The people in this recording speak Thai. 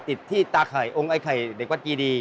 ติดที่ตาไข่องค์ไอ้ไข่เด็กวัดกีดี